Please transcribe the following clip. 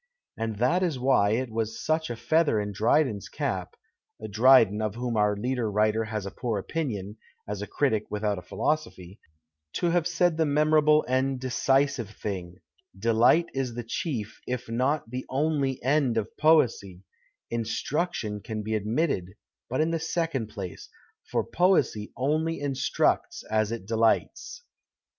And that is why it was such a feather in Dryden's cap (Drydcn, of whom our leader writer has a ])oor opinion, as a critic without a philosophy) to have said the memorable and decisive thing :" delight is the chief if not the only end of j)oesy ; iiislruetion can be admitted but in the second place, for |)()esy only instructs as it delights."